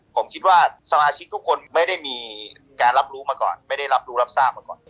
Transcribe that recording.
ผมคิดว่าสมาชิกทุกคนไม่ได้มีการรับรู้มาก่อนไม่ได้รับรู้รับทราบมาก่อน